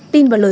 tin và lời hỏi